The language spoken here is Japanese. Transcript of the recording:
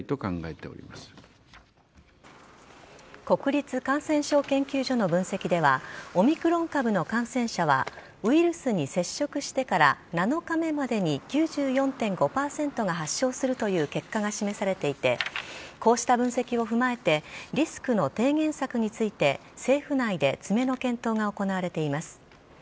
国立感染症研究所の分析ではオミクロン株の感染者はウイルスに接触してから７日目までに９４．５％が発症するという結果が示されていてこうした分析を踏まえてリスクの低減策について政府内で詰めの検討が行われています。